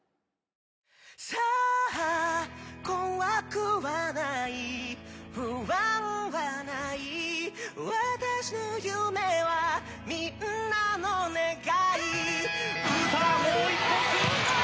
「さぁ、怖くはない不安はない」「私の夢はみんなの願い」さあもう１点。